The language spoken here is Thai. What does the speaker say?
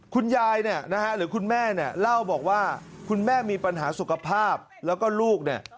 คุณยายเนี่ยนะฮะหรือคุณแม่เนี่ยเล่าบอกว่าคุณแม่มีปัญหาสุขภาพแล้วก็ลูกเนี่ย